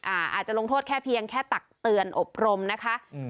อาจจะลงโทษแค่เพียงแค่ตักเตือนอบรมนะคะอืม